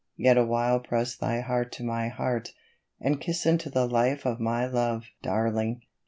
^^ Yet awhile press thy heart to my heart, And kiss into the Life of my Love Darling